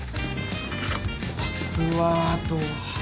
パスワードは。